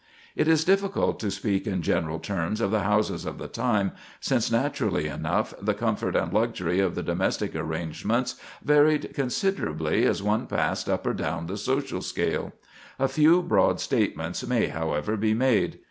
It is difficult to speak in general terms of the houses of the time, since, naturally enough, the comfort and luxury of the domestic arrangements varied considerably as one passed up or down the social scale. A few broad statements may, however, be made.